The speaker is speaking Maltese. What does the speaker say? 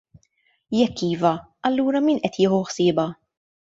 Jekk iva, allura min qed jieħu ħsiebha?